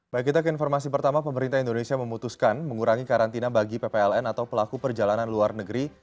baik kita ke informasi pertama pemerintah indonesia memutuskan mengurangi karantina bagi ppln atau pelaku perjalanan luar negeri